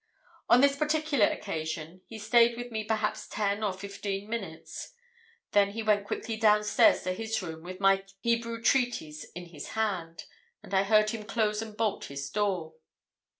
"On this particular occasion he stayed with me perhaps ten or fifteen minutes. Then he went quickly downstairs to his room with my Hebrew Treatise in his hand, and I heard him close and bolt his door.